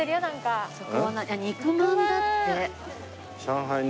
肉まんだって。